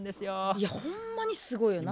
いやほんまにすごいよな。